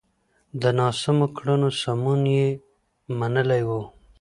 د ناسمو کړنو سمون يې منلی و.